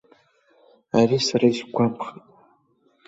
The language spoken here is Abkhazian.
Ари сара исгәамԥхеит.